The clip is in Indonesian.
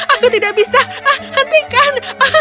aku tidak bisa hentikan